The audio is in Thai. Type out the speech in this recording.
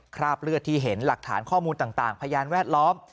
คราบเลือดที่เห็นหลักฐานข้อมูลต่างพยานแวดล้อม